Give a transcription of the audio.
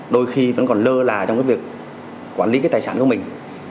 đôi khi vẫn còn lơ là trong cái việc quản lý cái tài sản của mình